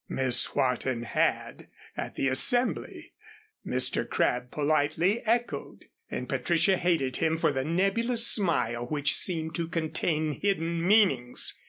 Miss Wharton had, at the Assembly. Mr. Crabb politely echoed; and Patricia hated him for the nebulous smile which seemed to contain hidden meanings.